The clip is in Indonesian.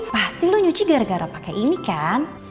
pasti lo nyuci gara gara pakai ini kan